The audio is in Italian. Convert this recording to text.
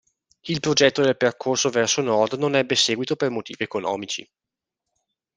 Il progetto del percorso verso nord non ebbe seguito per motivi economici.